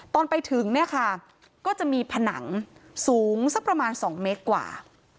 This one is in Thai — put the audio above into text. ตอนไปถึงเนี่ยค่ะก็จะมีผนังสูงสักประมาณ๒เมตรกว่า